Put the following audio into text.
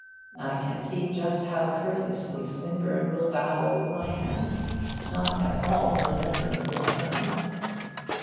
I can see just how courteously Swinburne will bow over my hand, not at all remembering who I am.